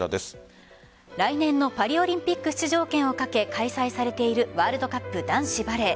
来年のパリオリンピック出場権を懸け開催されているワールドカップ男子バレー。